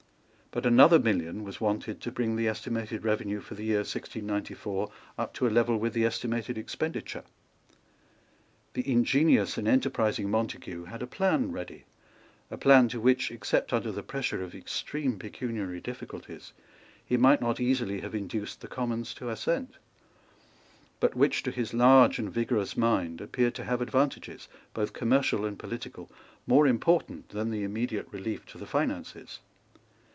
But another million was wanted to bring the estimated revenue for the year 1694 up to a level with the estimated expenditure. The ingenious and enterprising Montague had a plan ready, a plan to which, except under the pressure of extreme pecuniary difficulties, he might not easily have induced the Commons to assent, but which, to his large and vigorous mind, appeared to have advantages, both commercial and political, more important than the immediate relief to the finances.